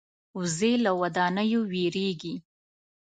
وزې له ودانیو وېرېږي